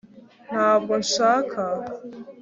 ntabwo nshaka